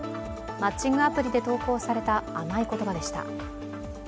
マッチングアプリで投稿された甘い言葉でした。